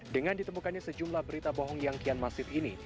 dengan ditemukannya sejumlah berita bohong yang kian masif ini